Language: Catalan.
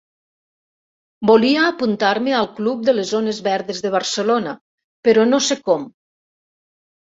Volia apuntar-me al club de les zones verdes de Barcelona, però no sé com.